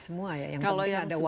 semua ya yang penting ada uang